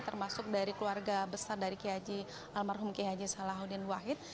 termasuk dari keluarga besar dari almarhum g h salahuddin woyt